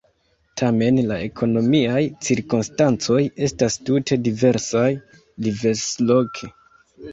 Tamen la ekonomiaj cirkonstancoj estas tute diversaj diversloke.